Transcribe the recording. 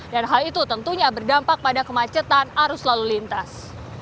dan hal itu tentunya berdampak pada kemacetan arus lalu lintas